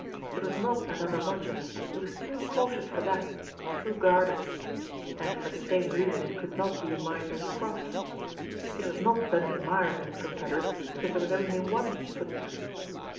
It was not another lodger, it was too cautious for that, too guarded; and for the same reason it could not be Miser ScrofT. It was not Bunty Myers and his confederates, because there was only one footstep.